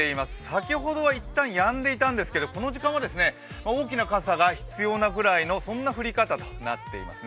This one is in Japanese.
先ほどはいったんやんでいたんですけどこの時間は大きな傘が必要なくらいの、そんな降り方となっています